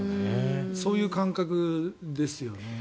そういう感覚ですよね。